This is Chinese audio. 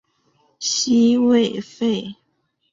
西魏废。